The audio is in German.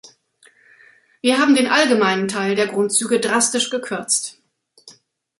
Wir haben den allgemeinen Teil der Grundzüge drastisch gekürzt.